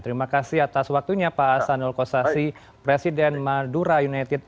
terima kasih atas waktunya pak hasanul kossasi presiden madura united